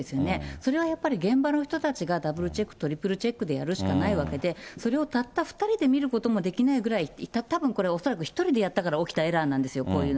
それはやっぱり、現場の人たちがダブルチェック、トリプルチェックでやるしかないわけで、それをたった２人で見ることもできないぐらい、たぶんこれ、恐らく１人でやったから起きたエラーなんですよ、こういうの。